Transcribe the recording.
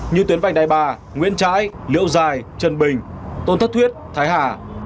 như tuyến vành đài bà nguyễn trãi liễu dài trần bình tôn thất thuyết thái hà